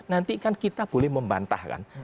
nanti kan kita boleh membantahkan